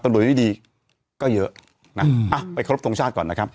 ตำรวจไม่ดีก็เยอะนะอ่ะไปครบทรงชาติก่อนนะครับ